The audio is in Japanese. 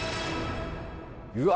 うわ